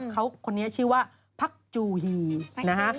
เขาคนนี้ชื่อว่าพักจูฮีนะฮะ